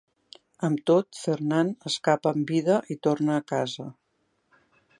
Amb tot, Fernand escapa amb vida i torna a casa.